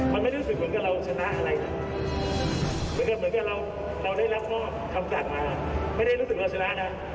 มันไม่รู้สึกเหมือนกับเราชนะอะไรนะเหมือนกับเหมือนกับเราได้รับมอบคำสั่งมาไม่ได้รู้สึกเราชนะนะ